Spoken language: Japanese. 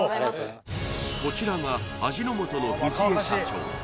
こちらが味の素の藤江社長